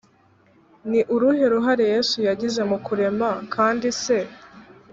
ni uruhe ruhare yesu yagize mu kurema kandi se